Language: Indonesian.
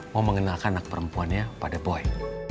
mau mengenalkan anak perempuannya pada boy